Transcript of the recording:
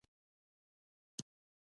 قدرت هره پخوانۍ خبره بیرته راژوندۍ کوي.